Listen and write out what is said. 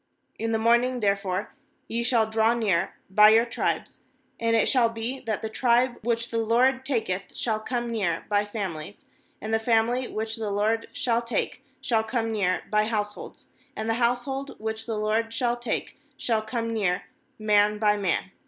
MIn the morning therefore ye shall draw near by your tribes; and it shall be, that the tribe which the LORD taketh shall come near by families; and the family which the LORD shall take shall come near by households; and the household which the LORD shall take shall come near rr\fl,n by man.